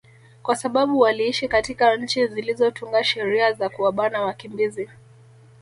kwa sababu waliiishi katika nchi zilizotunga sheria za kuwabana wakimbizi